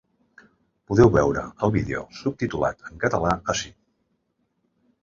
Podeu veure el vídeo subtitulat en català ací.